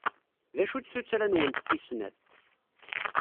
D acu-tt tuttra-nwent tis snat?